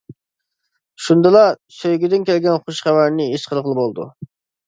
شۇندىلا، سۆيگۈدىن كەلگەن خۇش خەۋەرنى ھېس قىلغىلى بولىدۇ.